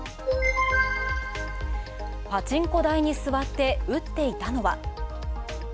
パチンコ台に座って打っていたのは。